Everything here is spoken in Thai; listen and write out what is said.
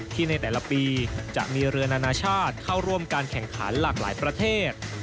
ในแต่ละปีจะมีเรือนานาชาติเข้าร่วมการแข่งขันหลากหลายประเทศ